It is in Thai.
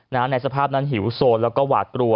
ในสภาพนั้นหิวโซนแล้วก็หวาดกลัว